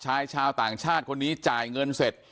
ชายชาวต่างชาติคนนี้จ่ายเงินเสร็จ